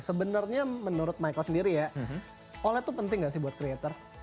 sebenarnya menurut michael sendiri ya oled itu penting gak sih buat creator